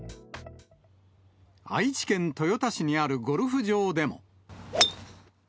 愛知県豊田市にあるゴルフ場でも。